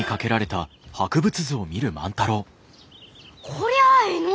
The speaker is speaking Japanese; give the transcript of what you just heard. こりゃあえいの！